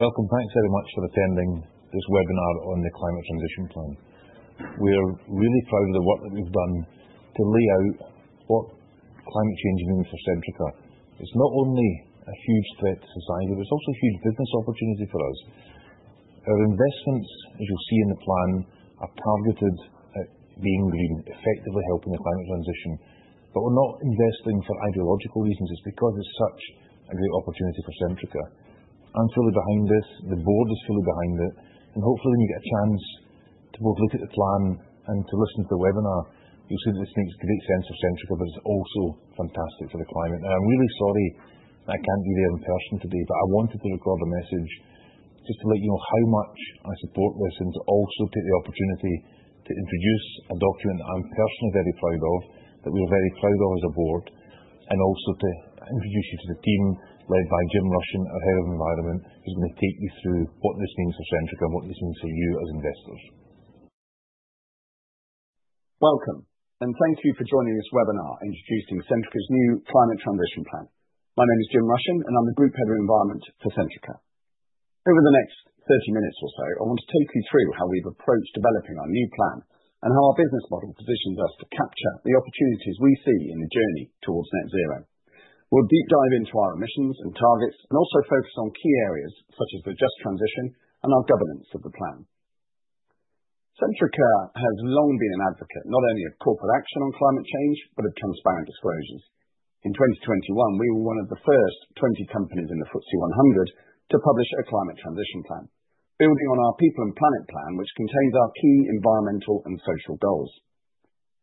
Welcome. Thanks very much for attending this webinar on the Climate Transition Plan. We're really proud of the work that we've done to lay out what climate change means for Centrica. It's not only a huge threat to society, but it's also a huge business opportunity for us. Our investments, as you'll see in the plan, are targeted at being green, effectively helping the climate transition. But we're not investing for ideological reasons. It's because it's such a great opportunity for Centrica. I'm fully behind this. The board is fully behind it, and hopefully, when you get a chance to both look at the plan and to listen to the webinar, you'll see that this makes great sense for Centrica, but it's also fantastic for the climate. Now, I'm really sorry that I can't be there in person today, but I wanted to record a message just to let you know how much I support this and to also take the opportunity to introduce a document that I'm personally very proud of, that we're very proud of as a board, and also to introduce you to the team led by James Rushen, our Head of Environment, who's going to take you through what this means for Centrica and what this means for you as investors. Welcome, and thank you for joining this webinar introducing Centrica's new Climate Transition Plan. My name is James Rushen, and I'm the Group Head of Environment for Centrica. Over the next 30 minutes or so, I want to take you through how we've approached developing our new plan and how our business model positions us to capture the opportunities we see in the journey towards net zero. We'll deep dive into our emissions and targets and also focus on key areas such as the just transition and our governance of the plan. Centrica has long been an advocate not only of corporate action on climate change but of transparent disclosures. In 2021, we were one of the first 20 companies in the FTSE 100 to publish a Climate Transition Plan, building on our People and Planet Plan, which contains our key environmental and social goals.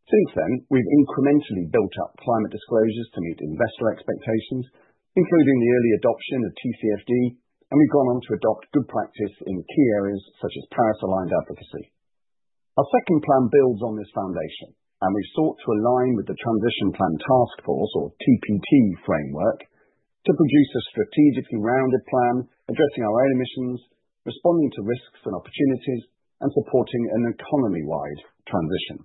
Since then, we've incrementally built up climate disclosures to meet investor expectations, including the early adoption of TCFD, and we've gone on to adopt good practice in key areas such as Paris-aligned advocacy. Our second plan builds on this foundation, and we've sought to align with the Transition Plan Taskforce, or TPT, framework to produce a strategically rounded plan addressing our own emissions, responding to risks and opportunities, and supporting an economy-wide transition.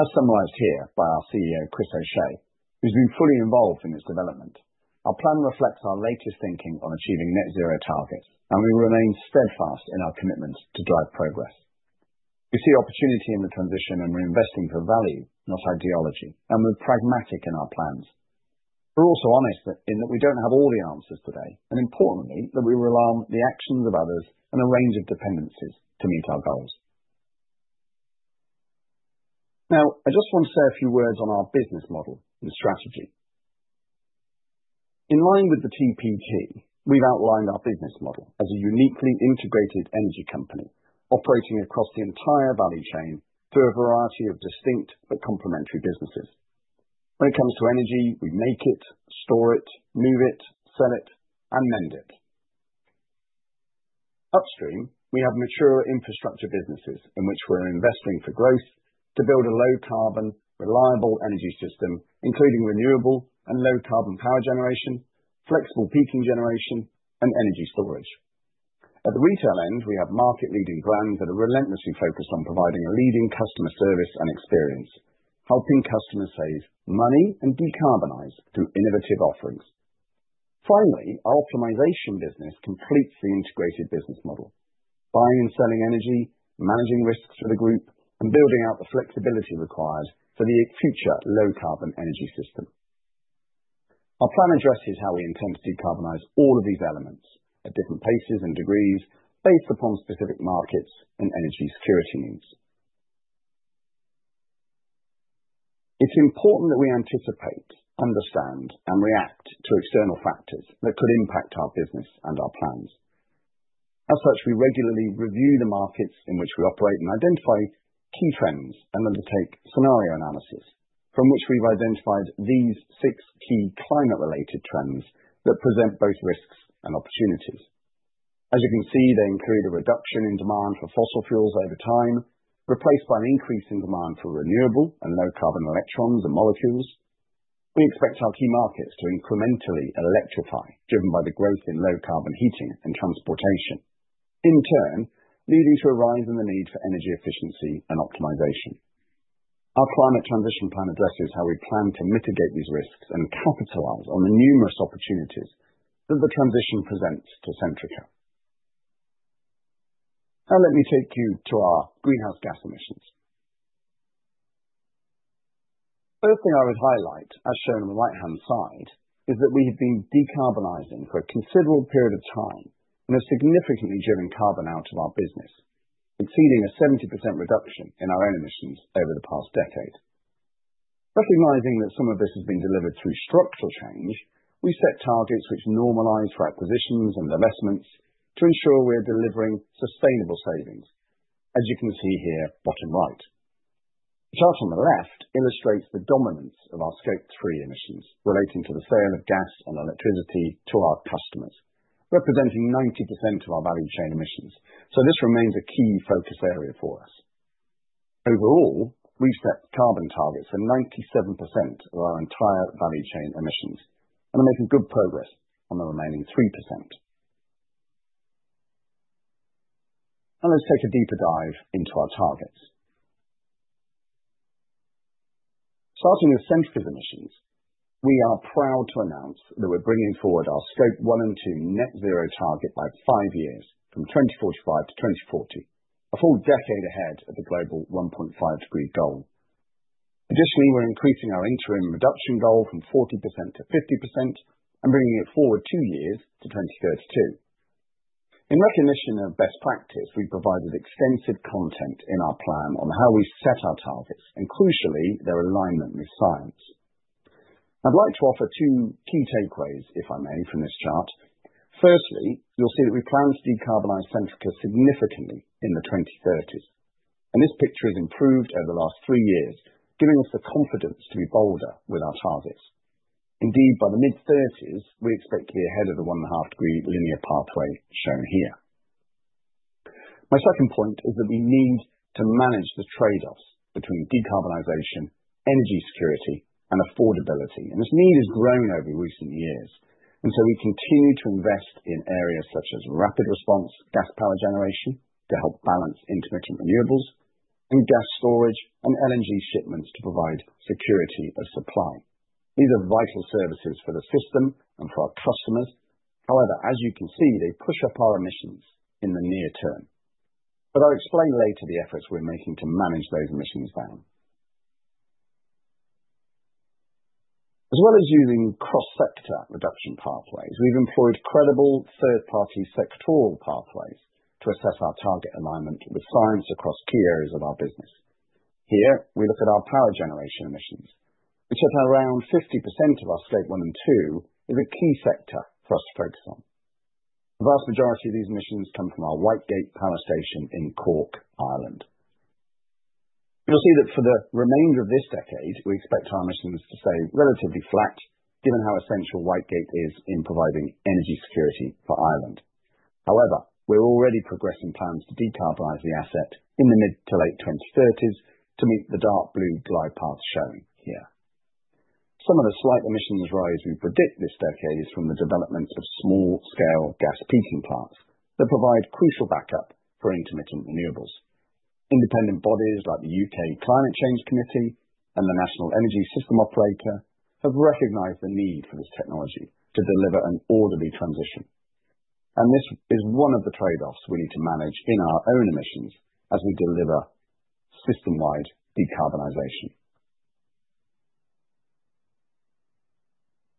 As summarized here by our CEO, Chris O'Shea, who's been fully involved in its development, our plan reflects our latest thinking on achieving net zero targets, and we remain steadfast in our commitment to drive progress. We see opportunity in the transition, and we're investing for value, not ideology, and we're pragmatic in our plans. We're also honest in that we don't have all the answers today, and importantly, that we rely on the actions of others and a range of dependencies to meet our goals. Now, I just want to say a few words on our business model and strategy. In line with the TPT, we've outlined our business model as a uniquely integrated energy company operating across the entire value chain through a variety of distinct but complementary businesses. When it comes to energy, we make it, store it, move it, sell it, and mend it. Upstream, we have mature infrastructure businesses in which we're investing for growth to build a low-carbon, reliable energy system, including renewable and low-carbon power generation, flexible peaking generation, and energy storage. At the retail end, we have market-leading brands that are relentlessly focused on providing a leading customer service and experience, helping customers save money and decarbonize through innovative offerings. Finally, our optimization business completes the integrated business model: buying and selling energy, managing risks for the group, and building out the flexibility required for the future low-carbon energy system. Our plan addresses how we intend to decarbonize all of these elements at different paces and degrees based upon specific markets and energy security needs. It's important that we anticipate, understand, and react to external factors that could impact our business and our plans. As such, we regularly review the markets in which we operate and identify key trends and undertake scenario analysis from which we've identified these six key climate-related trends that present both risks and opportunities. As you can see, they include a reduction in demand for fossil fuels over time, replaced by an increase in demand for renewable and low-carbon electrons and molecules. We expect our key markets to incrementally electrify, driven by the growth in low-carbon heating and transportation, in turn leading to a rise in the need for energy efficiency and optimization. Our Climate Transition Plan addresses how we plan to mitigate these risks and capitalize on the numerous opportunities that the transition presents to Centrica. Now, let me take you to our greenhouse gas emissions. First thing I would highlight, as shown on the right-hand side, is that we have been decarbonizing for a considerable period of time and have significantly driven carbon out of our business, exceeding a 70% reduction in our own emissions over the past decade. Recognizing that some of this has been delivered through structural change, we've set targets which normalize for our positions and investments to ensure we're delivering sustainable savings, as you can see here, bottom right. The chart on the left illustrates the dominance of our Scope 3 emissions relating to the sale of gas and electricity to our customers, representing 90% of our value chain emissions. So this remains a key focus area for us. Overall, we've set carbon targets for 97% of our entire value chain emissions and are making good progress on the remaining 3%. Now, let's take a deeper dive into our targets. Starting with Centrica's emissions, we are proud to announce that we're bringing forward our Scope 1 and 2 net zero target by five years from 2045-2040, a full decade ahead of the global 1.5-degree goal. Additionally, we're increasing our interim reduction goal from 40%-50% and bringing it forward two years to 2032. In recognition of best practice, we've provided extensive content in our plan on how we set our targets and, crucially, their alignment with science. I'd like to offer two key takeaways, if I may, from this chart. Firstly, you'll see that we plan to decarbonize Centrica significantly in the 2030s and this picture has improved over the last three years, giving us the confidence to be bolder with our targets. Indeed, by the mid-30s, we expect to be ahead of the 1.5-degree linear pathway shown here. My second point is that we need to manage the trade-offs between decarbonization, energy security, and affordability and this need has grown over recent years. And so we continue to invest in areas such as rapid response gas power generation to help balance intermittent renewables and gas storage and LNG shipments to provide security of supply. These are vital services for the system and for our customers. However, as you can see, they push up our emissions in the near term. But I'll explain later the efforts we're making to manage those emissions down. As well as using cross-sector reduction pathways, we've employed credible third-party sectoral pathways to assess our target alignment with science across key areas of our business. Here, we look at our power generation emissions, which at around 50% of our Scope 1 and 2 is a key sector for us to focus on. The vast majority of these emissions come from our Whitegate Power Station in Cork, Ireland. You'll see that for the remainder of this decade, we expect our emissions to stay relatively flat, given how essential Whitegate is in providing energy security for Ireland. However, we're already progressing plans to decarbonize the asset in the mid to late 2030s to meet the dark blue glide path shown here. Some of the slight emissions rise we predict this decade is from the development of small-scale gas peaking plants that provide crucial backup for intermittent renewables. Independent bodies like the UK Climate Change Committee and the National Energy System Operator have recognized the need for this technology to deliver an orderly transition, and this is one of the trade-offs we need to manage in our own emissions as we deliver system-wide decarbonization.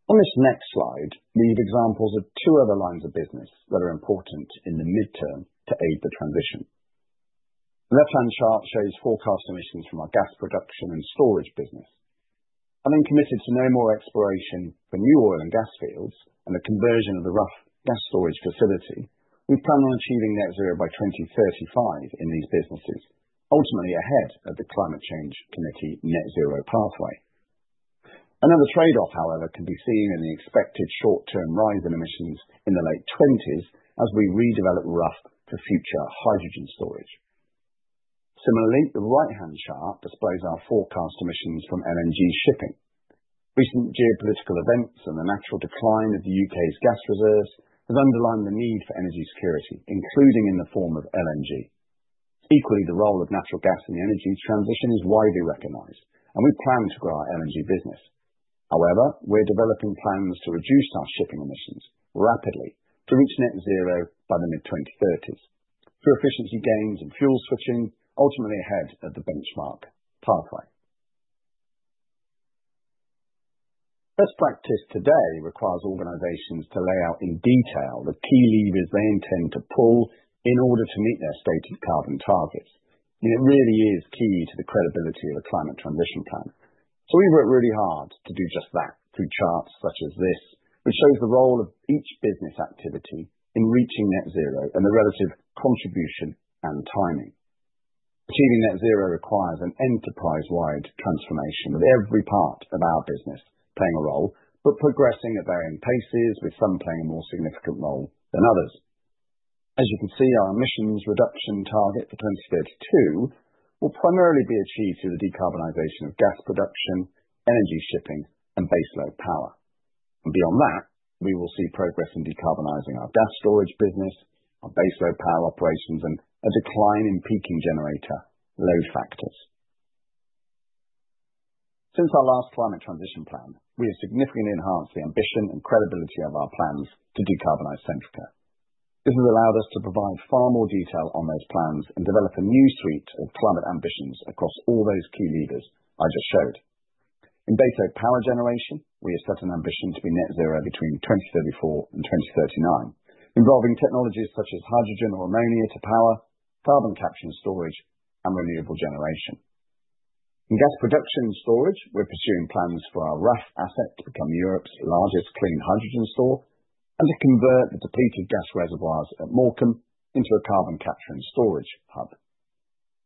On this next slide, we've examples of two other lines of business that are important in the midterm to aid the transition. The left-hand chart shows forecast emissions from our gas production and storage business. Having committed to no more exploration for new oil and gas fields and the conversion of the Rough gas storage facility, we plan on achieving net zero by 2035 in these businesses, ultimately ahead of the Climate Change Committee net zero pathway. Another trade-off, however, can be seen in the expected short-term rise in emissions in the late 20s as we redevelop Rough to future hydrogen storage. Similarly, the right-hand chart displays our forecast emissions from LNG shipping. Recent geopolitical events and the natural decline of the U.K.'s gas reserves have underlined the need for energy security, including in the form of LNG. Equally, the role of natural gas in the energy transition is widely recognized, and we plan to grow our LNG business. However, we're developing plans to reduce our shipping emissions rapidly to reach net zero by the mid-2030s through efficiency gains and fuel switching, ultimately ahead of the benchmark pathway. Best practice today requires organizations to lay out in detail the key levers they intend to pull in order to meet their stated carbon targets, and it really is key to the credibility of a Climate Transition Plan, so we've worked really hard to do just that through charts such as this, which shows the role of each business activity in reaching net zero and the relative contribution and timing. Achieving net zero requires an enterprise-wide transformation with every part of our business playing a role, but progressing at varying paces, with some playing a more significant role than others. As you can see, our emissions reduction target for 2032 will primarily be achieved through the decarbonization of gas production, energy shipping, and baseload power, and beyond that, we will see progress in decarbonizing our gas storage business, our baseload power operations, and a decline in peaking generator load factors. Since our last Climate Transition Plan, we have significantly enhanced the ambition and credibility of our plans to decarbonize Centrica. This has allowed us to provide far more detail on those plans and develop a new suite of climate ambitions across all those key levers I just showed. In baseload power generation, we have set an ambition to be net zero between 2034 and 2039, involving technologies such as hydrogen or ammonia to power, carbon capture and storage, and renewable generation. In gas production and storage, we're pursuing plans for our Rough asset to become Europe's largest clean hydrogen store and to convert the depleted gas reservoirs at Morecambe into a carbon capture and storage hub.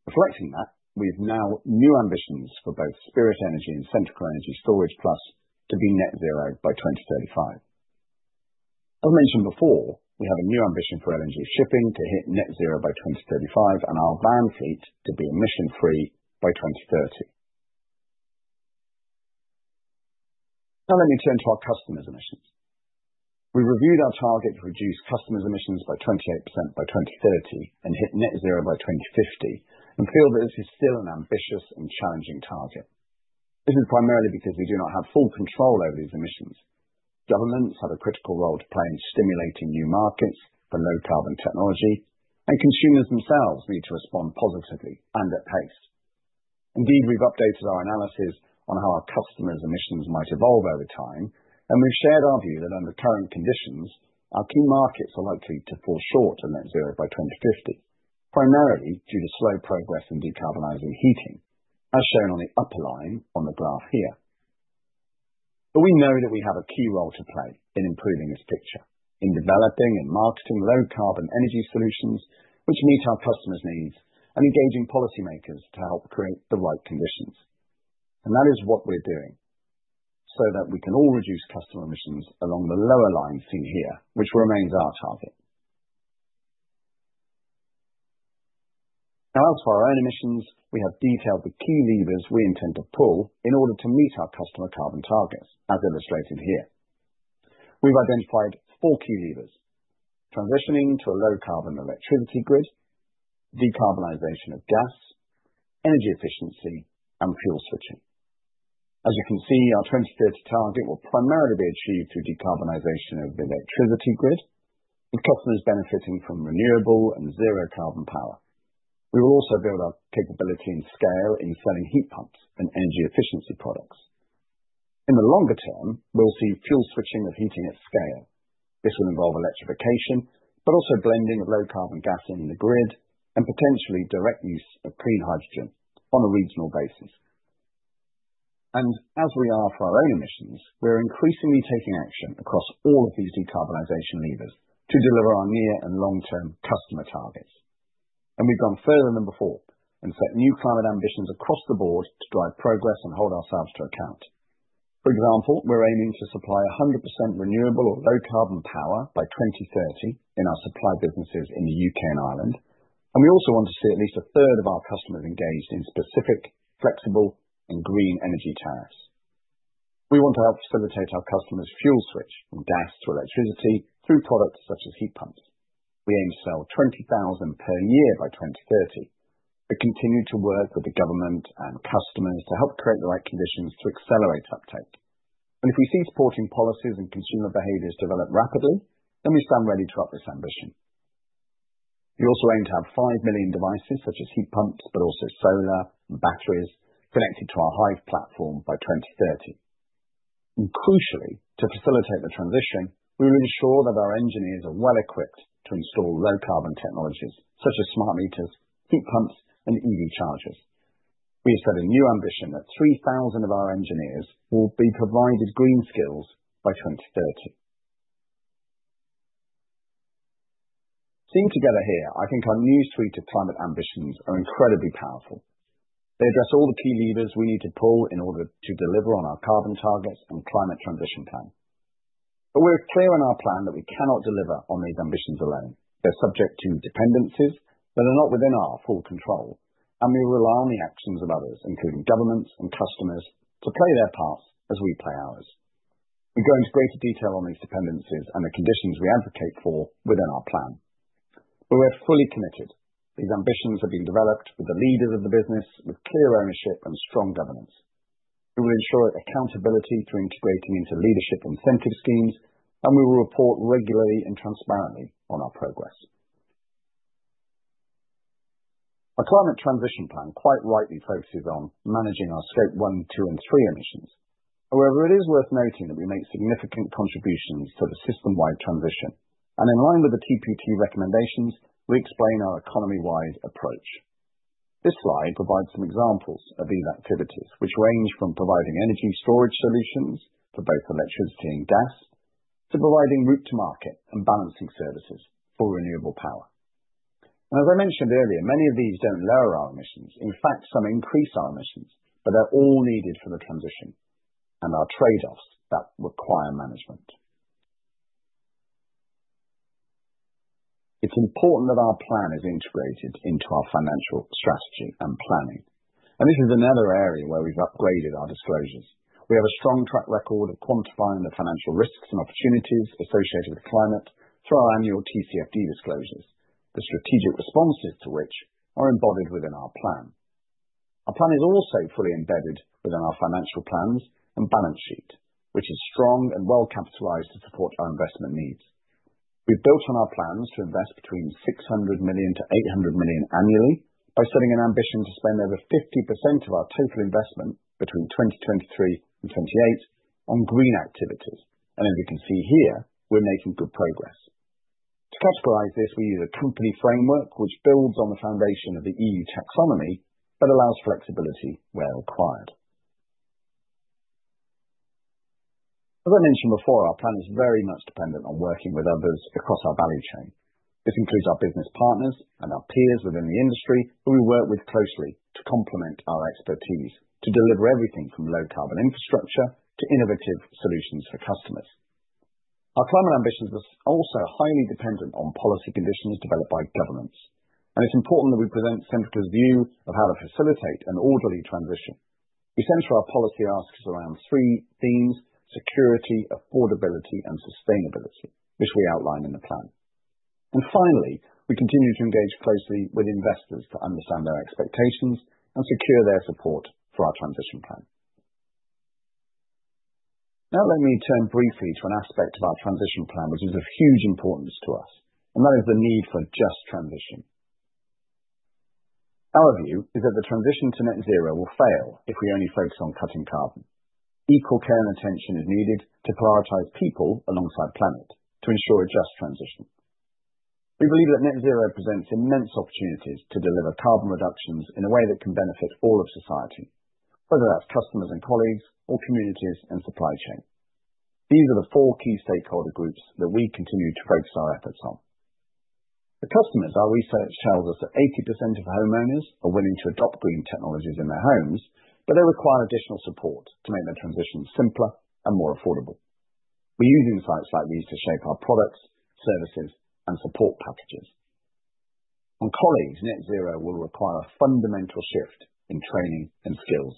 Reflecting that, we have now new ambitions for both Spirit Energy and Centrica Energy Storage+ to be net zero by 2035. As mentioned before, we have a new ambition for LNG shipping to hit net zero by 2035 and our van fleet to be emission-free by 2030. Now, let me turn to our customers' emissions. We've reviewed our target to reduce customers' emissions by 28% by 2030 and hit net zero by 2050 and feel that this is still an ambitious and challenging target. This is primarily because we do not have full control over these emissions. Governments have a critical role to play in stimulating new markets for low-carbon technology, and consumers themselves need to respond positively and at pace. Indeed, we've updated our analysis on how our customers' emissions might evolve over time, and we've shared our view that under current conditions, our key markets are likely to fall short of net zero by 2050, primarily due to slow progress in decarbonizing heating, as shown on the upper line on the graph here. But we know that we have a key role to play in improving this picture, in developing and marketing low-carbon energy solutions which meet our customers' needs and engaging policymakers to help create the right conditions, and that is what we're doing so that we can all reduce customer emissions along the lower line seen here, which remains our target. Now, as for our own emissions, we have detailed the key levers we intend to pull in order to meet our customer carbon targets, as illustrated here. We've identified four key levers: transitioning to a low-carbon electricity grid, decarbonization of gas, energy efficiency, and fuel switching. As you can see, our 2030 target will primarily be achieved through decarbonization of the electricity grid with customers benefiting from renewable and zero-carbon power. We will also build our capability and scale in selling heat pumps and energy efficiency products. In the longer term, we'll see fuel switching of heating at scale. This will involve electrification, but also blending of low-carbon gas in the grid and potentially direct use of clean hydrogen on a regional basis, and as we are for our own emissions, we're increasingly taking action across all of these decarbonization levers to deliver our near and long-term customer targets. And we've gone further than before and set new climate ambitions across the board to drive progress and hold ourselves to account. For example, we're aiming to supply 100% renewable or low-carbon power by 2030 in our supply businesses in the U.K. and Ireland. And we also want to see at least a third of our customers engaged in specific, flexible, and green energy tariffs. We want to help facilitate our customers' fuel switch from gas to electricity through products such as heat pumps. We aim to sell 20,000 per year by 2030, but continue to work with the government and customers to help create the right conditions to accelerate uptake. And if we see supporting policies and consumer behaviors develop rapidly, then we stand ready to up this ambition. We also aim to have 5 million devices such as heat pumps, but also solar and batteries connected to our Hive platform by 2030, and crucially, to facilitate the transition, we will ensure that our engineers are well-equipped to install low-carbon technologies such as smart meters, heat pumps, and EV chargers. We have set a new ambition that 3,000 of our engineers will be provided green skills by 2030. Seen together here, I think our new suite of climate ambitions are incredibly powerful. They address all the key levers we need to pull in order to deliver on our carbon targets and climate transition plan, but we're clear in our plan that we cannot deliver on these ambitions alone. They're subject to dependencies that are not within our full control, and we rely on the actions of others, including governments and customers, to play their parts as we play ours. We go into greater detail on these dependencies and the conditions we advocate for within our plan. But we're fully committed. These ambitions have been developed with the leaders of the business, with clear ownership and strong governance. We will ensure accountability through integrating into leadership incentive schemes, and we will report regularly and transparently on our progress. Our Climate Transition Plan quite rightly focuses on managing our Scope 1, 2, and 3 emissions. However, it is worth noting that we make significant contributions to the system-wide transition. And in line with the TPT recommendations, we explain our economy-wide approach. This slide provides some examples of these activities, which range from providing energy storage solutions for both electricity and gas to providing route-to-market and balancing services for renewable power. And as I mentioned earlier, many of these don't lower our emissions. In fact, some increase our emissions, but they're all needed for the transition and our trade-offs that require management. It's important that our plan is integrated into our financial strategy and planning. This is another area where we've upgraded our disclosures. We have a strong track record of quantifying the financial risks and opportunities associated with climate through our annual TCFD disclosures, the strategic responses to which are embodied within our plan. Our plan is also fully embedded within our financial plans and balance sheet, which is strong and well-capitalized to support our investment needs. We've built on our plans to invest between 600 million-800 million annually by setting an ambition to spend over 50% of our total investment between 2023 and 2028 on green activities. As you can see here, we're making good progress. To categorize this, we use a company framework which builds on the foundation of the EU Taxonomy but allows flexibility where required. As I mentioned before, our plan is very much dependent on working with others across our value chain. This includes our business partners and our peers within the industry who we work with closely to complement our expertise to deliver everything from low-carbon infrastructure to innovative solutions for customers. Our climate ambitions are also highly dependent on policy conditions developed by governments. And it's important that we present Centrica's view of how to facilitate an orderly transition. We center our policy asks around three themes: security, affordability, and sustainability, which we outline in the plan. And finally, we continue to engage closely with investors to understand their expectations and secure their support for our transition plan. Now, let me turn briefly to an aspect of our transition plan which is of huge importance to us, and that is the need for a just transition. Our view is that the transition to net zero will fail if we only focus on cutting carbon. Equal care and attention is needed to prioritize people alongside the planet to ensure a just transition. We believe that net zero presents immense opportunities to deliver carbon reductions in a way that can benefit all of society, whether that's customers and colleagues or communities and supply chain. These are the four key stakeholder groups that we continue to focus our efforts on. The customers, our research tells us, that 80% of homeowners are willing to adopt green technologies in their homes, but they require additional support to make their transition simpler and more affordable. We use insights like these to shape our products, services, and support packages. On colleagues, net zero will require a fundamental shift in training and skills.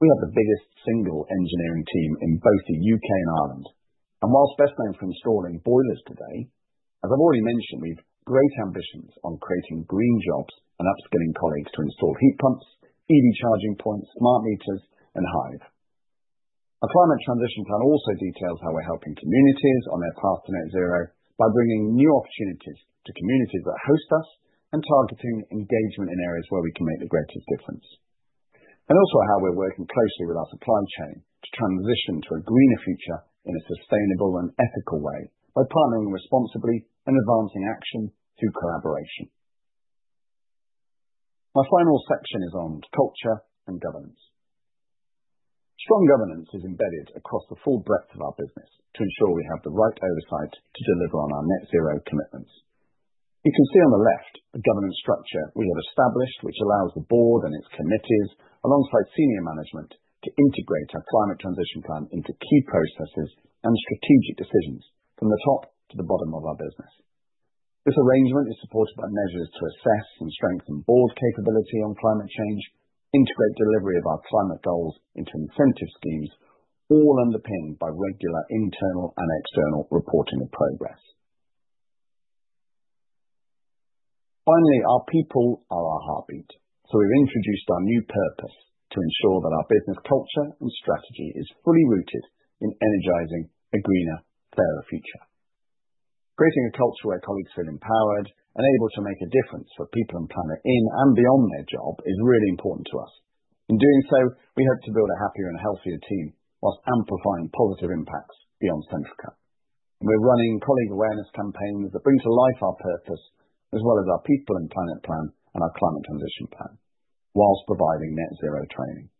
We have the biggest single engineering team in both the U.K. and Ireland, and whilst best known for installing boilers today, as I've already mentioned, we've great ambitions on creating green jobs and upskilling colleagues to install heat pumps, EV charging points, smart meters, and Hive. Our Climate Transition Plan also details how we're helping communities on their path to net zero by bringing new opportunities to communities that host us and targeting engagement in areas where we can make the greatest difference, and also how we're working closely with our supply chain to transition to a greener future in a sustainable and ethical way by partnering responsibly and advancing action through collaboration. My final section is on culture and governance. Strong governance is embedded across the full breadth of our business to ensure we have the right oversight to deliver on our net zero commitments. You can see on the left the governance structure we have established, which allows the board and its committees, alongside senior management, to integrate our Climate Transition Plan into key processes and strategic decisions from the top to the bottom of our business. This arrangement is supported by measures to assess and strengthen board capability on climate change, integrate delivery of our climate goals into incentive schemes, all underpinned by regular internal and external reporting of progress. Finally, our people are our heartbeat. So we've introduced our new purpose to ensure that our business culture and strategy is fully rooted in energizing a greener, fairer future. Creating a culture where colleagues feel empowered and able to make a difference for people and planet in and beyond their job is really important to us. In doing so, we hope to build a happier and healthier team while amplifying positive impacts beyond Centrica. We're running colleague awareness campaigns that bring to life our purpose as well as our People and Planet Plan and our Climate Transition Plan while providing net zero training.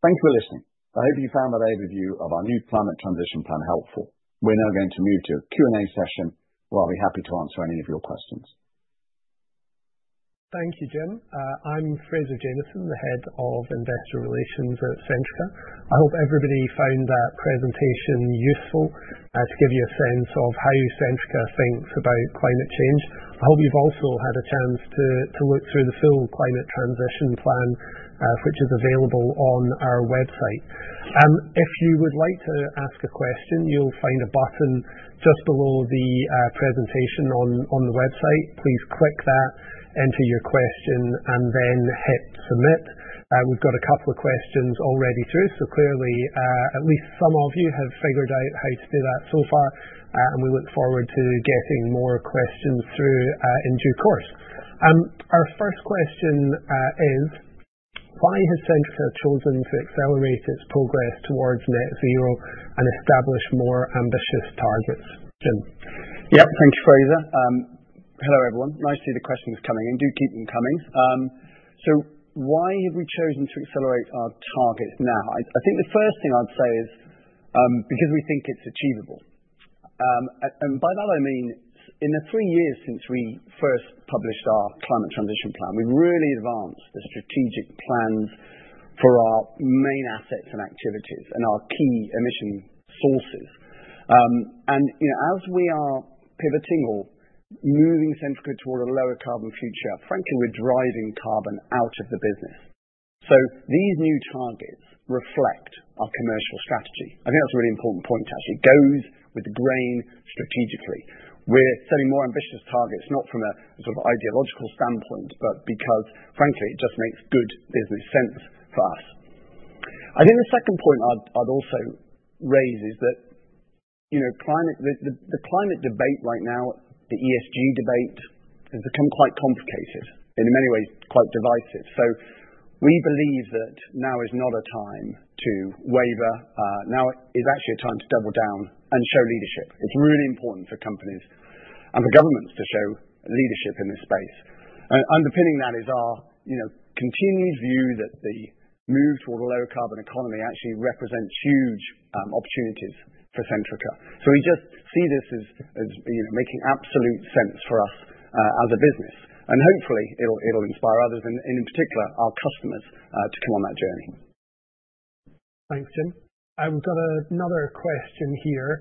Thanks for listening. I hope you found that overview of our new Climate Transition Plan helpful. We're now going to move to a Q&A session, where I'll be happy to answer any of your questions. Thank you, James. I'm Fraser Jamieson, the Head of Investor Relations at Centrica. I hope everybody found that presentation useful to give you a sense of how Centrica thinks about climate change. I hope you've also had a chance to look through the full Climate Transition Plan, which is available on our website. If you would like to ask a question, you'll find a button just below the presentation on the website. Please click that, enter your question, and then hit submit. We've got a couple of questions already through, so clearly at least some of you have figured out how to do that so far, and we look forward to getting more questions through in due course. Our first question is, why has Centrica chosen to accelerate its progress towards net zero and establish more ambitious targets? James. Yep, thank you, Fraser. Hello everyone. Nice to see the questions coming in. Do keep them coming. So why have we chosen to accelerate our targets now? I think the first thing I'd say is because we think it's achievable. By that, I mean in the three years since we first published our Climate Transition Plan, we've really advanced the strategic plans for our main assets and activities and our key emission sources. And as we are pivoting or moving Centrica toward a lower carbon future, frankly, we're driving carbon out of the business. These new targets reflect our commercial strategy. I think that's a really important point, actually. It goes with the grain strategically. We're setting more ambitious targets, not from a sort of ideological standpoint, but because, frankly, it just makes good business sense for us. I think the second point I'd also raise is that the climate debate right now, the ESG debate, has become quite complicated and in many ways quite divisive. We believe that now is not a time to waver. Now is actually a time to double down and show leadership. It's really important for companies and for governments to show leadership in this space, and underpinning that is our continued view that the move toward a lower carbon economy actually represents huge opportunities for Centrica, so we just see this as making absolute sense for us as a business, and hopefully, it'll inspire others and, in particular, our customers to come on that journey. Thanks, James. We've got another question here.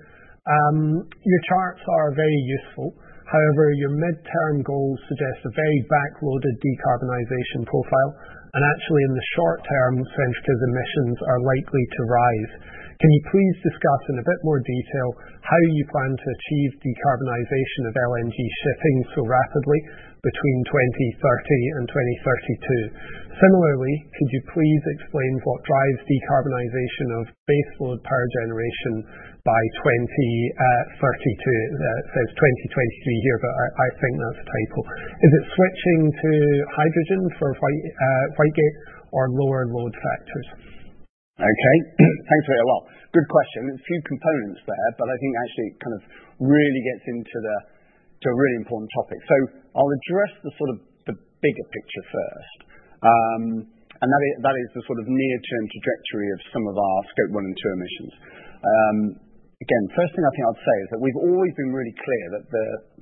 Your charts are very useful. However, your midterm goals suggest a very back-loaded decarbonization profile. And actually, in the short term, Centrica's emissions are likely to rise. Can you please discuss in a bit more detail how you plan to achieve decarbonization of LNG shipping so rapidly between 2030 and 2032? Similarly, could you please explain what drives decarbonization of baseload power generation by 2032? It says 2023 here, but I think that's a typo. Is it switching to hydrogen for Whitegate or lower load factors? Okay. Thanks for that. Well, good question. There's a few components there, but I think actually it kind of really gets into a really important topic. So I'll address the sort of the bigger picture first. And that is the sort of near-term trajectory of some of our Scope 1 and Scope 2 emissions. Again, first thing I think I'd say is that we've always been really clear that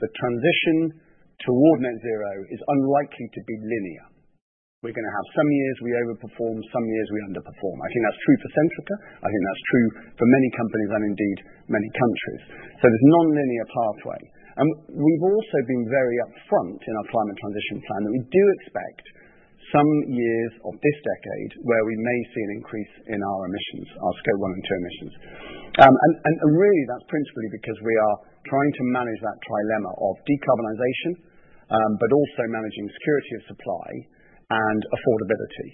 the transition toward net zero is unlikely to be linear. We're going to have some years we overperform, some years we underperform. I think that's true for Centrica. I think that's true for many companies and indeed many countries. So this non-linear pathway. We've also been very upfront in our Climate Transition Plan that we do expect some years of this decade where we may see an increase in our emissions, our Scope 1 and 2 emissions. Really, that's principally because we are trying to manage that trilemma of decarbonization, but also managing security of supply and affordability.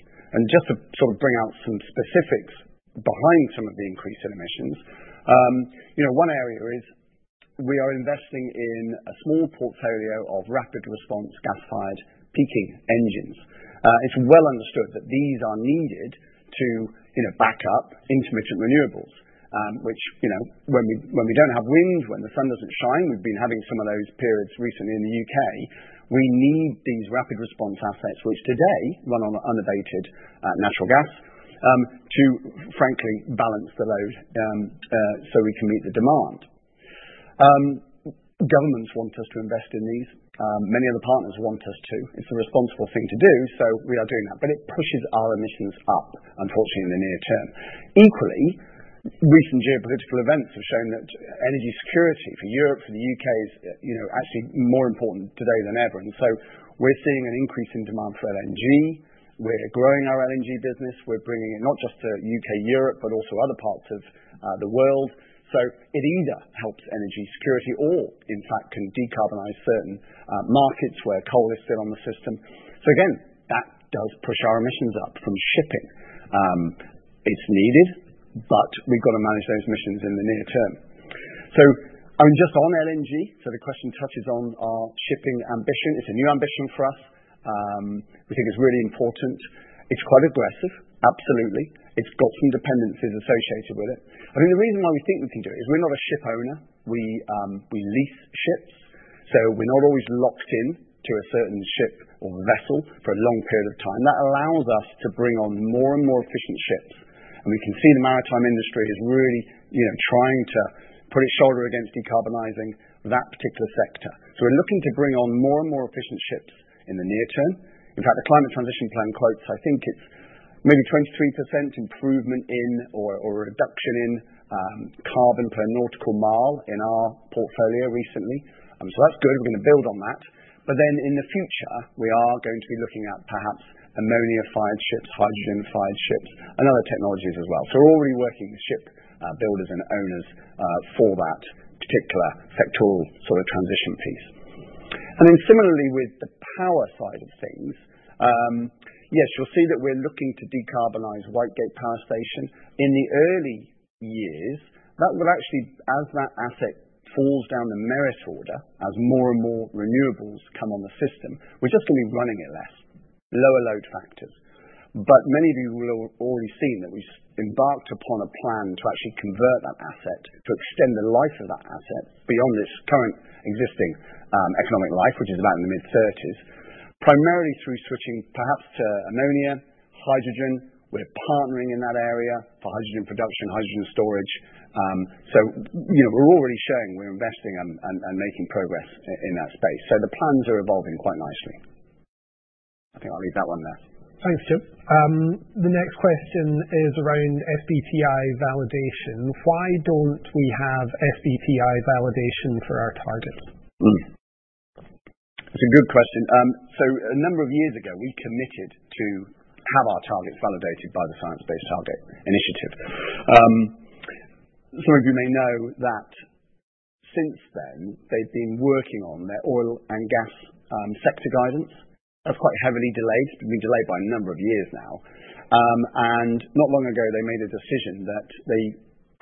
Just to sort of bring out some specifics behind some of the increase in emissions, one area is we are investing in a small portfolio of rapid response gas-fired peaking engines. It's well understood that these are needed to back up intermittent renewables, which when we don't have wind, when the sun doesn't shine, we've been having some of those periods recently in the U.K., we need these rapid response assets, which today run on unabated natural gas, to frankly balance the load so we can meet the demand. Governments want us to invest in these. Many other partners want us to. It's a responsible thing to do, so we are doing that, but it pushes our emissions up, unfortunately, in the near term. Equally, recent geopolitical events have shown that energy security for Europe, for the U.K., is actually more important today than ever, and so we're seeing an increase in demand for LNG. We're growing our LNG business. We're bringing it not just to U.K., Europe, but also other parts of the world, so it either helps energy security or, in fact, can decarbonize certain markets where coal is still on the system, so again, that does push our emissions up from shipping. It's needed, but we've got to manage those emissions in the near term, so I mean, just on LNG, so the question touches on our shipping ambition. It's a new ambition for us. We think it's really important. It's quite aggressive. Absolutely. It's got some dependencies associated with it. I think the reason why we think we can do it is we're not a ship owner. We lease ships, so we're not always locked in to a certain ship or vessel for a long period of time. That allows us to bring on more and more efficient ships, and we can see the maritime industry is really trying to put its shoulder against decarbonizing that particular sector, so we're looking to bring on more and more efficient ships in the near term. In fact, the Climate Transition Plan quotes, I think it's maybe 23% improvement in or a reduction in carbon per nautical mile in our portfolio recently, so that's good. We're going to build on that. But then in the future, we are going to be looking at perhaps ammonia-fired ships, hydrogen-fired ships, and other technologies as well. So we're already working with ship builders and owners for that particular sectoral sort of transition piece. And then similarly with the power side of things, yes, you'll see that we're looking to decarbonize Whitegate power station. In the early years, that will actually, as that asset falls down the merit order, as more and more renewables come on the system, we're just going to be running it less, lower load factors. But many of you will have already seen that we've embarked upon a plan to actually convert that asset, to extend the life of that asset beyond its current existing economic life, which is about in the mid-30s, primarily through switching perhaps to ammonia, hydrogen. We're partnering in that area for hydrogen production, hydrogen storage. So we're already showing we're investing and making progress in that space. So the plans are evolving quite nicely. I think I'll leave that one there. Thanks, James. The next question is around SBTi validation. Why don't we have SBTi validation for our targets? It's a good question. So a number of years ago, we committed to have our targets validated by the Science Based Targets initiative. Some of you may know that since then, they've been working on their oil and gas sector guidance. That's quite heavily delayed. It's been delayed by a number of years now. And not long ago, they made a decision that they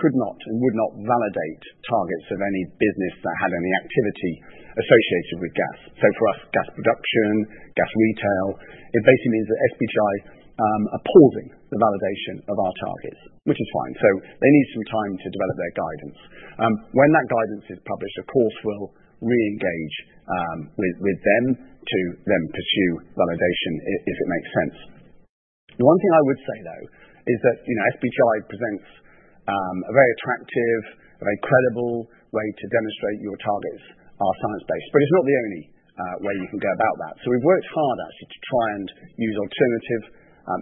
could not and would not validate targets of any business that had any activity associated with gas. So for us, gas production, gas retail, it basically means that SBTi are pausing the validation of our targets, which is fine. So they need some time to develop their guidance. When that guidance is published, of course, we'll re-engage with them to then pursue validation if it makes sense. The one thing I would say, though, is that SBTI presents a very attractive, very credible way to demonstrate your targets are science-based. But it's not the only way you can go about that. So we've worked hard, actually, to try and use alternative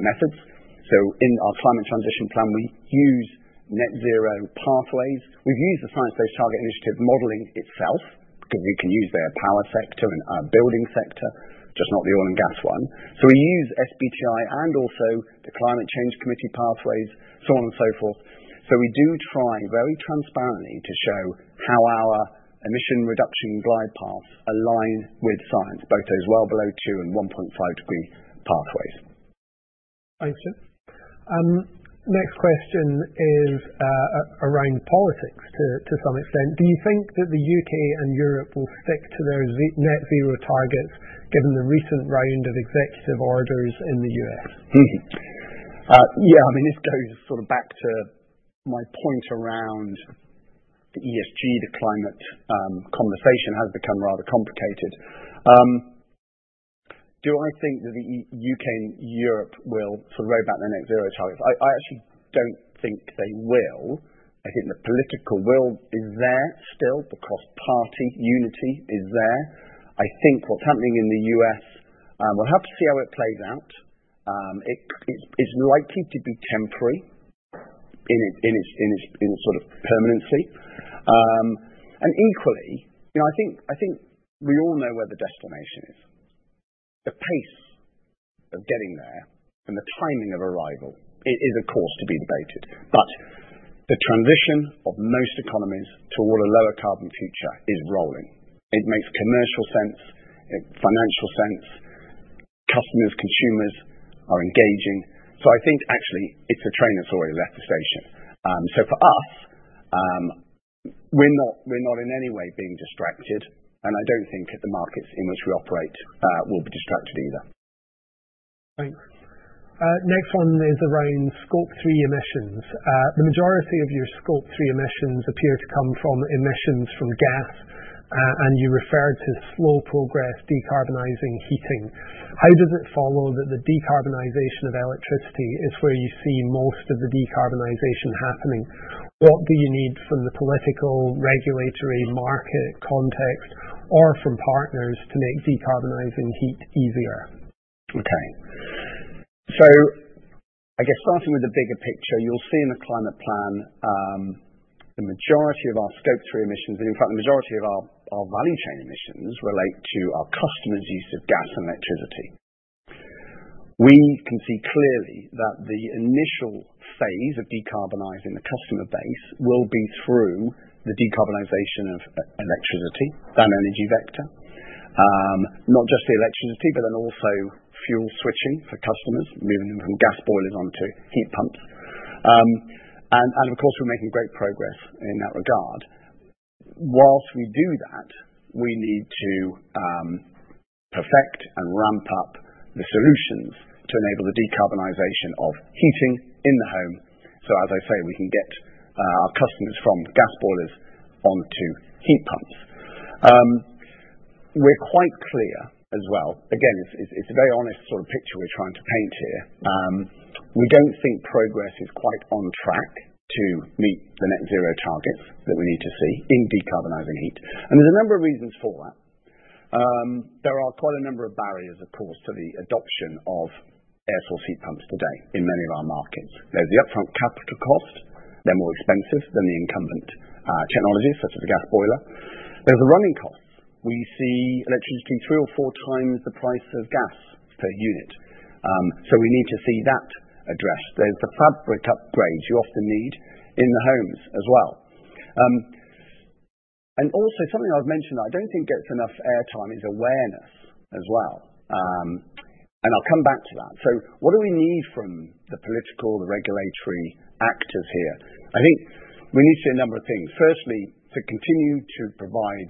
methods. So in our Climate Transition Plan, we use net zero pathways. We've used the Science Based Targets initiative modeling itself because we can use their power sector and building sector, just not the oil and gas one. So we use SBTI and also the Climate Change Committee pathways, so on and so forth. So we do try very transparently to show how our emission reduction glide paths align with science, both those well below two and 1.5 degree pathways. Thanks, James. Next question is around politics to some extent. Do you think that the U.K. and Europe will stick to their net zero targets given the recent round of executive orders in the U.S.? Yeah. I mean, this goes sort of back to my point around the ESG. The climate conversation has become rather complicated. Do I think that the U.K. and Europe will sort of row back their net zero targets? I actually don't think they will. I think the political will is there still. The cross-party unity is there. I think what's happening in the U.S., we'll have to see how it plays out. It's likely to be temporary in its sort of permanency. And equally, I think we all know where the destination is. The pace of getting there and the timing of arrival is a cause to be debated. But the transition of most economies toward a lower carbon future is rolling. It makes commercial sense, financial sense. Customers, consumers are engaging. So I think, actually, it's a train that's already left the station. So for us, we're not in any way being distracted. And I don't think the markets in which we operate will be distracted either. Thanks. Next one is around Scope 3 emissions. The majority of your Scope 3 emissions appear to come from emissions from gas, and you refer to slow progress decarbonizing heating. How does it follow that the decarbonization of electricity is where you see most of the decarbonization happening? What do you need from the political, regulatory, market context, or from partners to make decarbonizing heat easier? Okay. So I guess starting with the bigger picture, you'll see in the Climate Plan, the majority of our Scope 3 emissions, and in fact, the majority of our value chain emissions relate to our customers' use of gas and electricity. We can see clearly that the initial phase of decarbonizing the customer base will be through the decarbonization of electricity, that energy vector. Not just the electricity, but then also fuel switching for customers, moving them from gas boilers onto heat pumps. And of course, we're making great progress in that regard. Whilst we do that, we need to perfect and ramp up the solutions to enable the decarbonization of heating in the home. So as I say, we can get our customers from gas boilers onto heat pumps. We're quite clear as well. Again, it's a very honest sort of picture we're trying to paint here. We don't think progress is quite on track to meet the net zero targets that we need to see in decarbonizing heat, and there's a number of reasons for that. There are quite a number of barriers, of course, to the adoption of air source heat pumps today in many of our markets. There's the upfront capital cost. They're more expensive than the incumbent technologies, such as the gas boiler. There's the running costs. We see electricity three or four times the price of gas per unit, so we need to see that addressed. There's the fabric upgrades you often need in the homes as well, and also, something I've mentioned that I don't think gets enough airtime is awareness as well, and I'll come back to that. What do we need from the political, the regulatory actors here? I think we need to see a number of things. Firstly, to continue to provide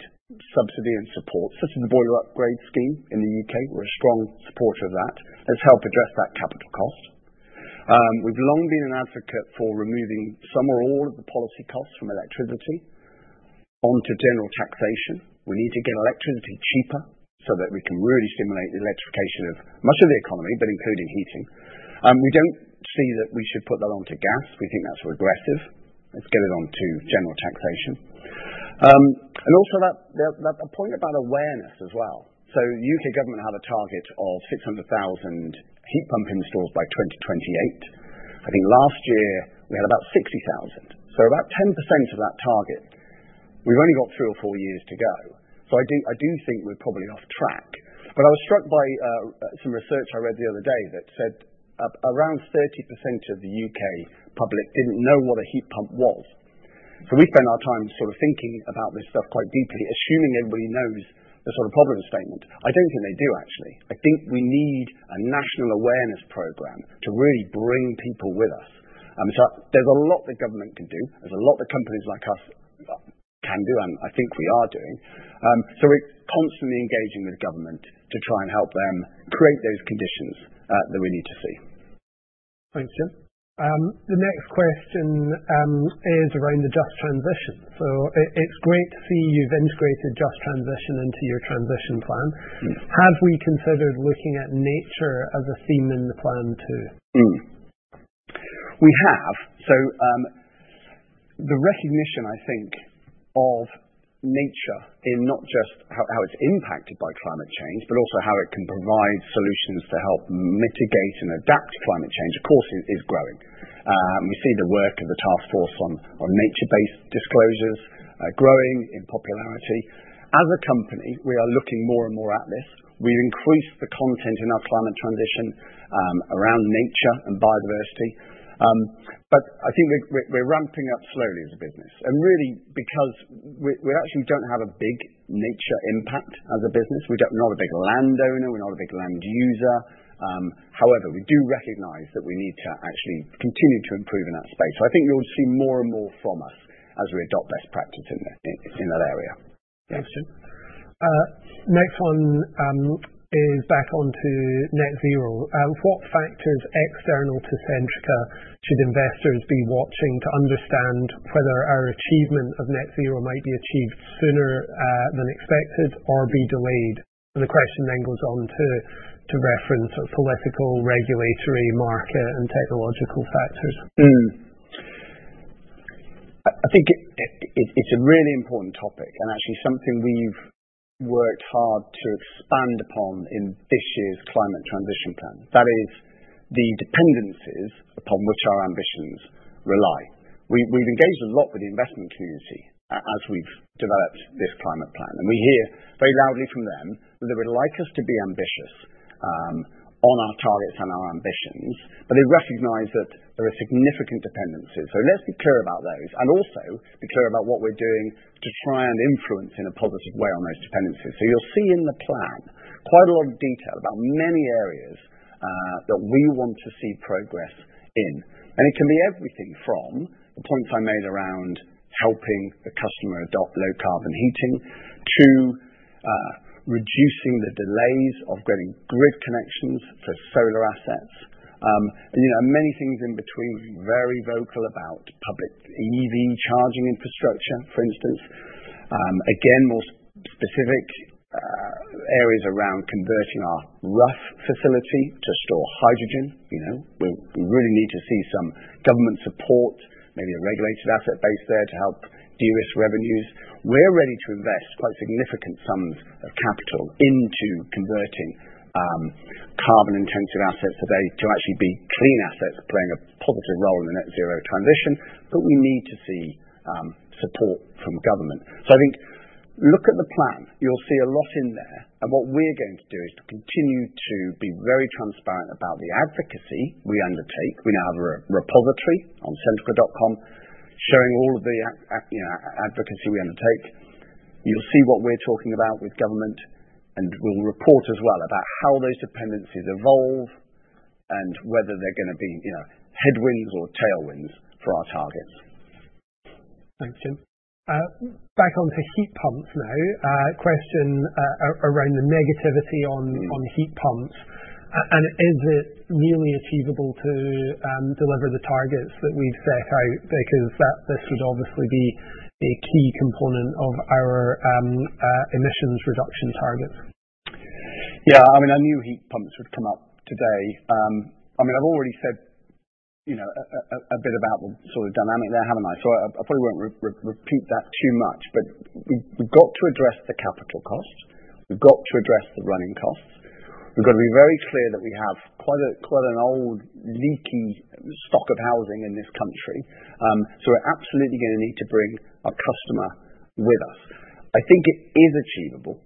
subsidy and support, such as the Boiler Upgrade Scheme in the U.K. We're a strong supporter of that. Let's help address that capital cost. We've long been an advocate for removing some or all of the policy costs from electricity onto general taxation. We need to get electricity cheaper so that we can really stimulate the electrification of much of the economy, but including heating. We don't see that we should put that onto gas. We think that's regressive. Let's get it onto general taxation. And also that point about awareness as well. So the U.K. government had a target of 600,000 heat pump installs by 2028. I think last year we had about 60,000. So about 10% of that target. We've only got three or four years to go. So I do think we're probably off track. But I was struck by some research I read the other day that said around 30% of the U.K. public didn't know what a heat pump was. So we spend our time sort of thinking about this stuff quite deeply, assuming everybody knows the sort of problem statement. I don't think they do, actually. I think we need a national awareness program to really bring people with us. So there's a lot that government can do. There's a lot that companies like us can do, and I think we are doing. So we're constantly engaging with government to try and help them create those conditions that we need to see. Thanks, James. The next question is around the just transition. So it's great to see you've integrated just transition into your transition plan. Have we considered looking at nature as a theme in the plan too? We have. So the recognition, I think, of nature in not just how it's impacted by climate change, but also how it can provide solutions to help mitigate and adapt to climate change, of course, is growing. We see the work of the Taskforce on Nature-related Financial Disclosures growing in popularity. As a company, we are looking more and more at this. We've increased the content in our climate transition around nature and biodiversity. But I think we're ramping up slowly as a business. And really, because we actually don't have a big nature impact as a business, we're not a big landowner, we're not a big land user. However, we do recognize that we need to actually continue to improve in that space. So I think you'll see more and more from us as we adopt best practice in that area. Thanks, James. Next one is back onto net zero. What factors external to Centrica should investors be watching to understand whether our achievement of net zero might be achieved sooner than expected or be delayed? And the question then goes on to reference sort of political, regulatory, market, and technological factors. I think it's a really important topic and actually something we've worked hard to expand upon in this year's Climate Transition Plan. That is the dependencies upon which our ambitions rely. We've engaged a lot with the investment community as we've developed this Climate Plan. And we hear very loudly from them that they would like us to be ambitious on our targets and our ambitions, but they recognize that there are significant dependencies. So let's be clear about those and also be clear about what we're doing to try and influence in a positive way on those dependencies. So you'll see in the plan quite a lot of detail about many areas that we want to see progress in. And it can be everything from the points I made around helping the customer adopt low carbon heating to reducing the delays of getting grid connections for solar assets and many things in between. We've been very vocal about public EV charging infrastructure, for instance. Again, more specific areas around converting our Rough facility to store hydrogen. We really need to see some government support, maybe a regulated asset base there to help de-risk revenues. We're ready to invest quite significant sums of capital into converting carbon-intensive assets that need to actually be clean assets playing a positive role in the net zero transition, but we need to see support from government. So I think, look at the plan. You'll see a lot in there, and what we're going to do is continue to be very transparent about the advocacy we undertake. We now have a repository on Centrica.com showing all of the advocacy we undertake. You'll see what we're talking about with government, and we'll report as well about how those dependencies evolve and whether they're going to be headwinds or tailwinds for our targets. Thanks, James. Back onto heat pumps now. Question around the negativity on heat pumps. Is it nearly achievable to deliver the targets that we've set out because this would obviously be a key component of our emissions reduction targets? Yeah. I mean, I knew heat pumps would come up today. I mean, I've already said a bit about the sort of dynamic there, haven't I? So I probably won't repeat that too much. But we've got to address the capital costs. We've got to address the running costs. We've got to be very clear that we have quite an old, leaky stock of housing in this country. So we're absolutely going to need to bring our customer with us. I think it is achievable,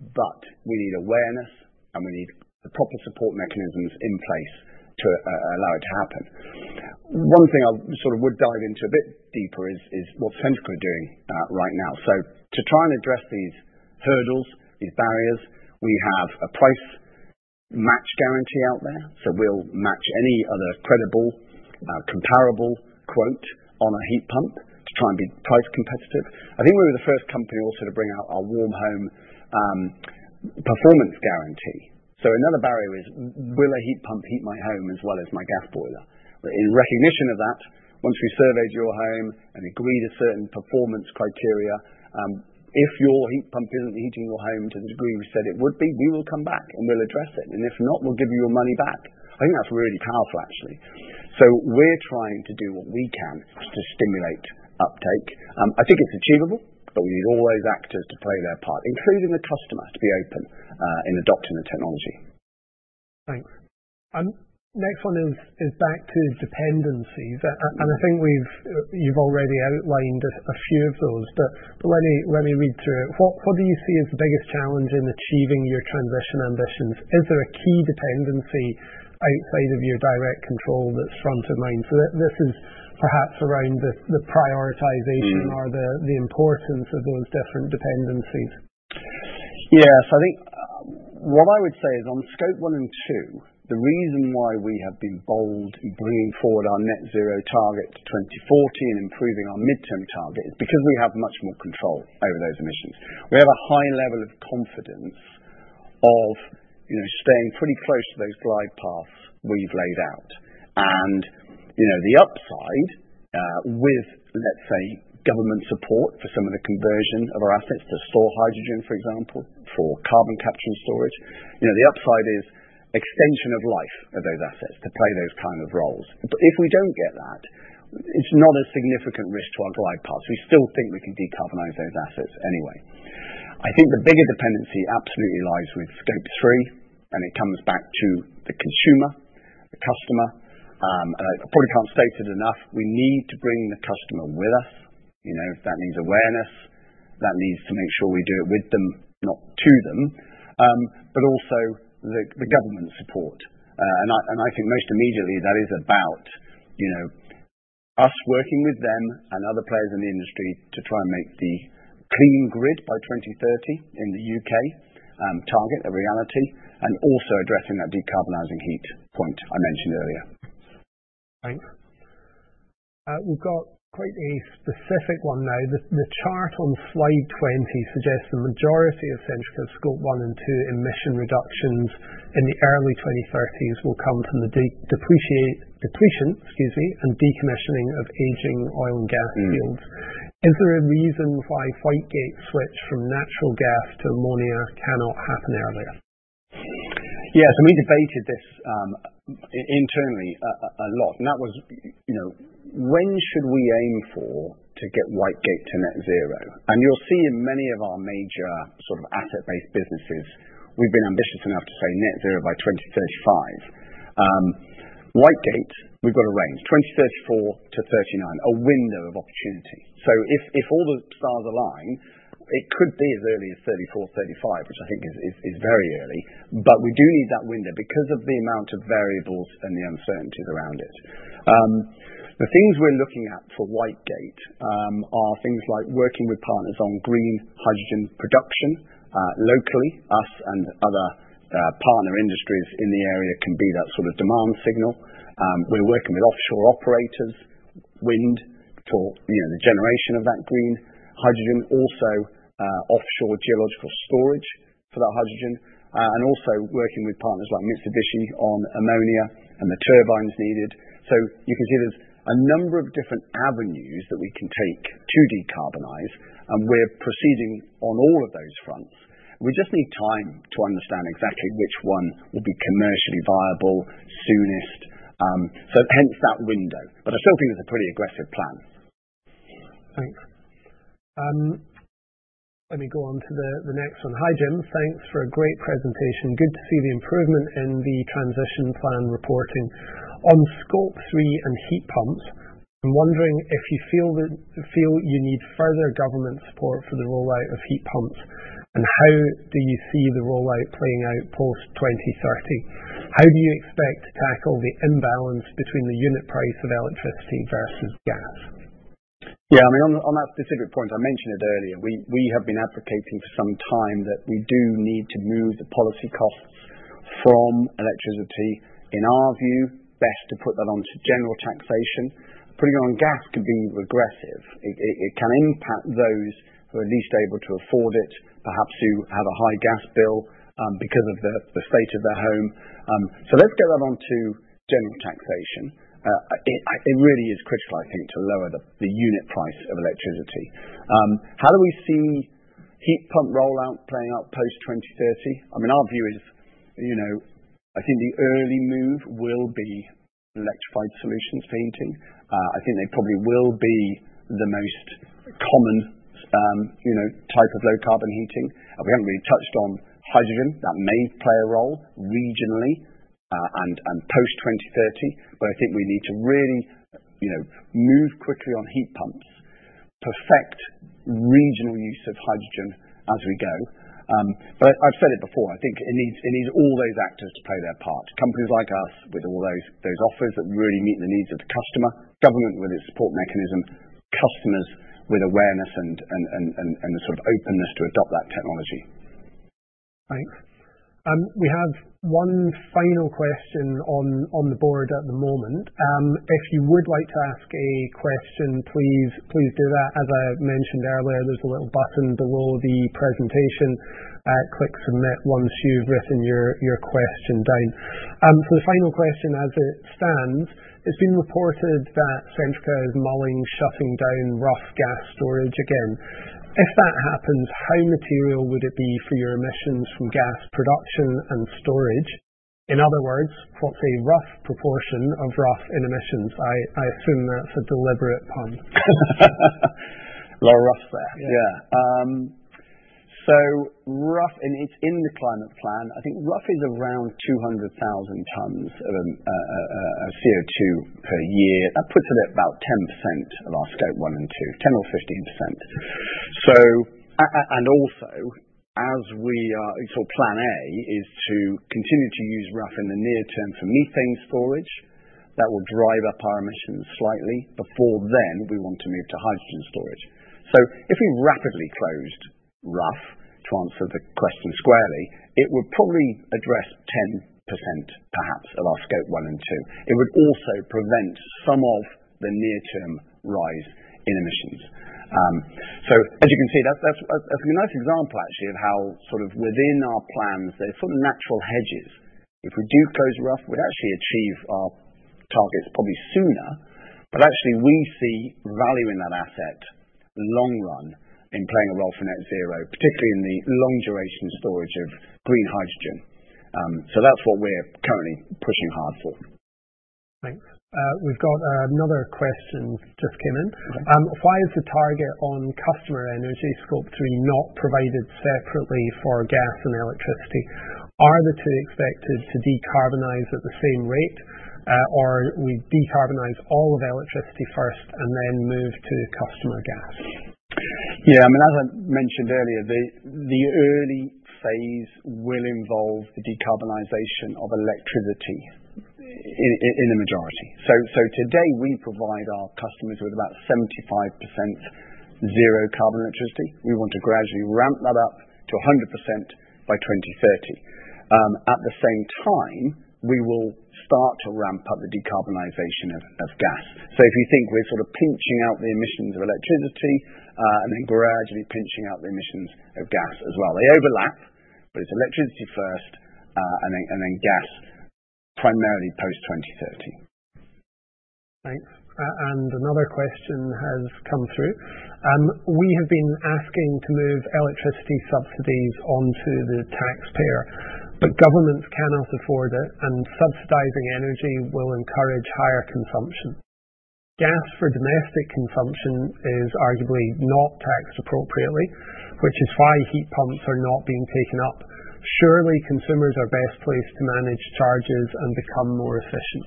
but we need awareness, and we need the proper support mechanisms in place to allow it to happen. One thing I sort of would dive into a bit deeper is what Centrica are doing right now. So to try and address these hurdles, these barriers, we have a price match guarantee out there. So we'll match any other credible, comparable quote on a heat pump to try and be price competitive. I think we were the first company also to bring out our Warm Home Performance Guarantee. So another barrier is, will a heat pump heat my home as well as my gas boiler? In recognition of that, once we've surveyed your home and agreed to certain performance criteria, if your heat pump isn't heating your home to the degree we said it would be, we will come back and we'll address it. And if not, we'll give you your money back. I think that's really powerful, actually. So we're trying to do what we can to stimulate uptake. I think it's achievable, but we need all those actors to play their part, including the customer, to be open in adopting the technology. Thanks. Next one is back to dependencies. And I think you've already outlined a few of those, but let me read through it. What do you see as the biggest challenge in achieving your transition ambitions? Is there a key dependency outside of your direct control that's front of mind? So this is perhaps around the prioritization or the importance of those different dependencies. Yeah. So I think what I would say is on Scope 1 and 2, the reason why we have been bold in bringing forward our net zero target to 2040 and improving our midterm target is because we have much more control over those emissions. We have a high level of confidence of staying pretty close to those glide paths we've laid out. And the upside, with, let's say, government support for some of the conversion of our assets to store hydrogen, for example, for carbon capture and storage, the upside is extension of life of those assets to play those kind of roles. But if we don't get that, it's not a significant risk to our glide paths. We still think we can decarbonize those assets anyway. I think the bigger dependency absolutely lies with Scope 3, and it comes back to the consumer, the customer. And I probably can't state it enough. We need to bring the customer with us. That needs awareness. That needs to make sure we do it with them, not to them, but also the government support. And I think most immediately that is about us working with them and other players in the industry to try and make the clean grid by 2030 in the U.K. target a reality and also addressing that decarbonizing heat point I mentioned earlier. Thanks. We've got quite a specific one now. The chart on Slide 20 suggests the majority of Centrica's Scope 1 and 2 emission reductions in the early 2030s will come from the depletion and decommissioning of aging oil and gas fields. Is there a reason why Whitegate switch from natural gas to ammonia cannot happen earlier? Yes. And we debated this internally a lot. And that was, when should we aim for to get Whitegate to net zero? And you'll see in many of our major sort of asset-based businesses, we've been ambitious enough to say net zero by 2035. Whitegate, we've got a range, 2034-2039, a window of opportunity. So if all the stars align, it could be as early as 2034, 2035, which I think is very early. But we do need that window because of the amount of variables and the uncertainties around it. The things we're looking at for Whitegate are things like working with partners on green hydrogen production locally. Us and other partner industries in the area can be that sort of demand signal. We're working with offshore operators, wind for the generation of that green hydrogen, also offshore geological storage for that hydrogen, and also working with partners like Mitsubishi on ammonia and the turbines needed. So you can see there's a number of different avenues that we can take to decarbonize, and we're proceeding on all of those fronts. We just need time to understand exactly which one will be commercially viable soonest, so hence that window. But I still think it's a pretty aggressive plan. Thanks. Let me go on to the next one. Hi, James. Thanks for a great presentation. Good to see the improvement in the transition plan reporting. On Scope 3 and heat pumps, I'm wondering if you feel you need further government support for the rollout of heat pumps, and how do you see the rollout playing out post-2030? How do you expect to tackle the imbalance between the unit price of electricity versus gas? Yeah. I mean, on that specific point, I mentioned it earlier. We have been advocating for some time that we do need to move the policy costs from electricity. In our view, best to put that onto general taxation. Putting it on gas can be regressive. It can impact those who are least able to afford it, perhaps who have a high gas bill because of the state of their home, so let's get that onto general taxation. It really is critical, I think, to lower the unit price of electricity. How do we see heat pump rollout playing out post-2030? I mean, our view is, I think the early move will be electrified solutions, particularly. I think they probably will be the most common type of low carbon heating. We haven't really touched on hydrogen. That may play a role regionally and post-2030, but I think we need to really move quickly on heat pumps, perhaps regional use of hydrogen as we go, but I've said it before. I think it needs all those actors to play their part. Companies like us with all those offers that really meet the needs of the customer, government with its support mechanism, customers with awareness and the sort of openness to adopt that technology. Thanks. We have one final question on the board at the moment. If you would like to ask a question, please do that. As I mentioned earlier, there's a little button below the presentation. Click submit once you've written your question down. For the final question, as it stands, it's been reported that Centrica is mulling shutting down Rough gas storage again. If that happens, how material would it be for your emissions from gas production and storage? In other words, what's a rough proportion of rough in emissions? I assume that's a deliberate pun. A lot of rough there. Yeah. So Rough, and it's in the Climate Plan. I think Rough is around 200,000 tons of CO2 per year. That puts it at about 10% of our Scope 1 and 2, 10%-15%. Also, as we sort of plan A, is to continue to use Rough in the near term for methane storage. That will drive up our emissions slightly. Before then, we want to move to hydrogen storage. If we rapidly closed Rough, to answer the question squarely, it would probably address 10% perhaps of our Scope 1 and 2. It would also prevent some of the near-term rise in emissions. As you can see, that's a nice example, actually, of how sort of within our plans, there's sort of natural hedges. If we do close Rough, we'd actually achieve our targets probably sooner, but actually, we see value in that asset long run in playing a role for net zero, particularly in the long-duration storage of green hydrogen. So that's what we're currently pushing hard for. Thanks. We've got another question just came in. Why is the target on customer energy, Scope 3, not provided separately for gas and electricity? Are the two expected to decarbonize at the same rate, or we decarbonize all of electricity first and then move to customer gas? Yeah. I mean, as I mentioned earlier, the early phase will involve the decarbonization of electricity in the majority. So today, we provide our customers with about 75% zero carbon electricity. We want to gradually ramp that up to 100% by 2030. At the same time, we will start to ramp up the decarbonization of gas. If you think we're sort of phasing out the emissions of electricity and then gradually phasing out the emissions of gas as well. They overlap, but it's electricity first and then gas primarily post-2030. Thanks. And another question has come through. We have been asking to move electricity subsidies onto the taxpayer, but governments cannot afford it, and subsidizing energy will encourage higher consumption. Gas for domestic consumption is arguably not taxed appropriately, which is why heat pumps are not being taken up. Surely, consumers are best placed to manage charges and become more efficient.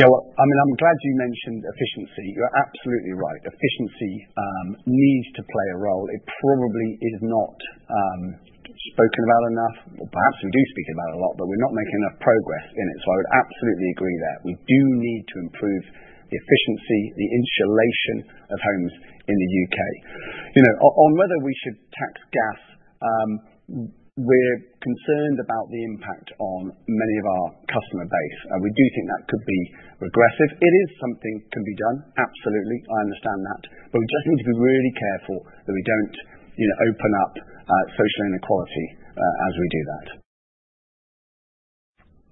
Yeah. Well, I mean, I'm glad you mentioned efficiency. You're absolutely right. Efficiency needs to play a role. It probably is not spoken about enough, or perhaps we do speak about it a lot, but we're not making enough progress in it. So I would absolutely agree that we do need to improve the efficiency, the insulation of homes in the U.K. On whether we should tax gas, we're concerned about the impact on many of our customer base. We do think that could be regressive. It is something that can be done. Absolutely. I understand that. But we just need to be really careful that we don't open up social inequality as we do that.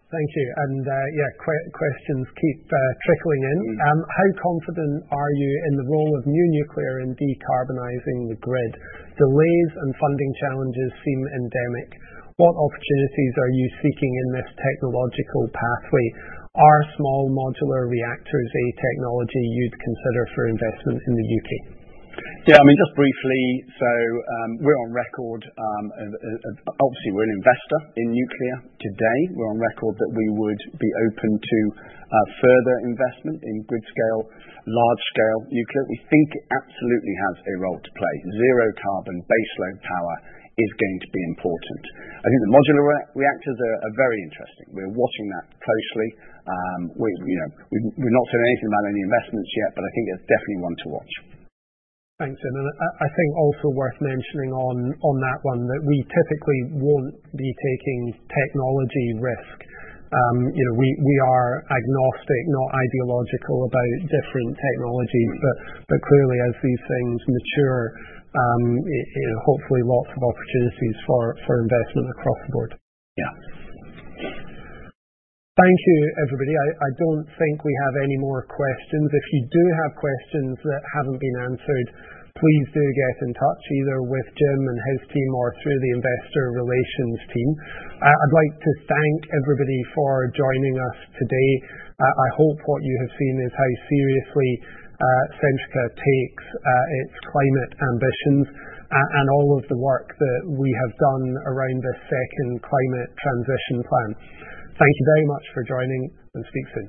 Thank you. And yeah, questions keep trickling in. How confident are you in the role of new nuclear in decarbonizing the grid? Delays and funding challenges seem endemic. What opportunities are you seeking in this technological pathway? Are small modular reactors a technology you'd consider for investment in the U.K.? Yeah. I mean, just briefly, so we're on record. Obviously, we're an investor in nuclear today. We're on record that we would be open to further investment in grid-scale, large-scale nuclear. We think it absolutely has a role to play. Zero carbon, baseload power is going to be important. I think the modular reactors are very interesting. We're watching that closely. We've not said anything about any investments yet, but I think it's definitely one to watch. Thanks, James. And I think also worth mentioning on that one that we typically won't be taking technology risk. We are agnostic, not ideological about different technologies, but clearly, as these things mature, hopefully, lots of opportunities for investment across the board. Yeah. Thank you, everybody. I don't think we have any more questions. If you do have questions that haven't been answered, please do get in touch either with James and his team or through the investor relations team. I'd like to thank everybody for joining us today. I hope what you have seen is how seriously Centrica takes its climate ambitions and all of the work that we have done around this second climate transition plan. Thank you very much for joining, and speak soon.